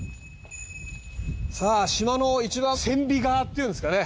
さあ島の一番船尾側っていうんですかね。